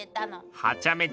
はちゃめちゃな。